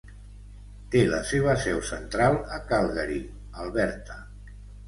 Té la seva seu central a Calgary, Alberta.